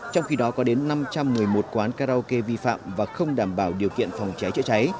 trong khi đó có đến năm trăm một mươi một quán karaoke vi phạm và không đảm bảo điều kiện phòng cháy chữa cháy